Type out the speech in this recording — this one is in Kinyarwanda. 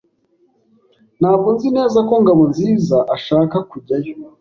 Ntabwo nzi neza ko Ngabonziza ashaka kujyayo.